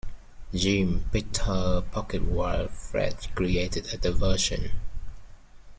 Jim picked her pocket while Fred created a diversion